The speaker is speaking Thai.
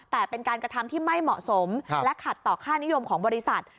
แต่เป็นการกระทำที่ไม่เหมาะสมและขัดต่อค่านิยมของบริษัท